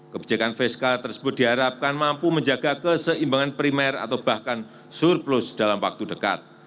kebijakan fiskal tersebut diharapkan mampu menjaga keseimbangan primer atau bahkan surplus dalam waktu dekat